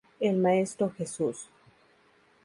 El Maestro Jesús.